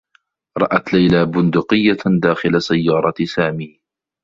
رأت ليلى بندقيّة داخل سيّارة سامي.